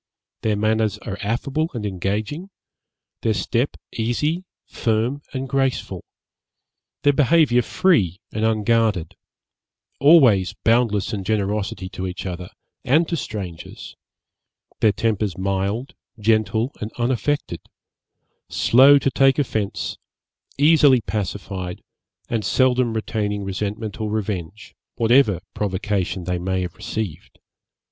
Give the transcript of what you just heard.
Their manners are affable and engaging; their step easy, firm, and graceful; their behaviour free and unguarded; always boundless in generosity to each other, and to strangers; their tempers mild, gentle, and unaffected; slow to take offence, easily pacified, and seldom retaining resentment or revenge, whatever provocation they may have received.